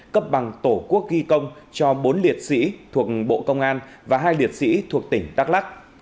cấp bằng tổ quốc ghi công cho bốn liệt sĩ thuộc bộ công an và hai liệt sĩ thuộc tỉnh đắk lắc